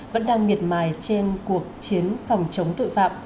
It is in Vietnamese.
vẫn đang miệt mài trên cuộc chiến phòng chống tội phạm